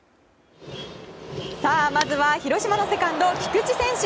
まずは広島のセカンド菊池選手。